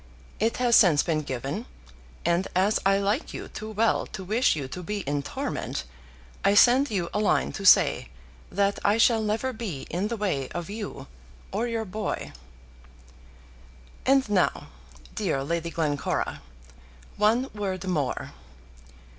It has since been given, and as I like you too well to wish you to be in torment, I send you a line to say that I shall never be in the way of you or your boy. And now, dear Lady Glencora, one word more.